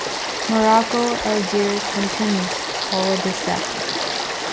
Morocco, Algiers and Tunis followed this step.